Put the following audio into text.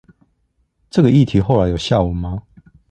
這個議題後來有下文嗎？